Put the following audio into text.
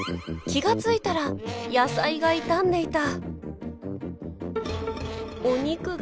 気が付いたら野菜が傷んでいた。